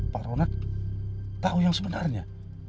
pak ronald tahu yang sebenarnya